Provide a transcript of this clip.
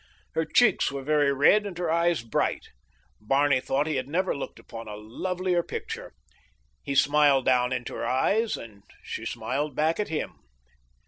Her cheeks were very red and her eyes bright. Barney thought he had never looked upon a lovelier picture. He smiled down into her eyes and she smiled back at him.